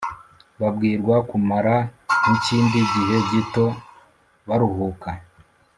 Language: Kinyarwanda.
babwirwa kumara n’ikindi gihe gito baruhuka,